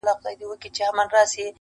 درد زغمي،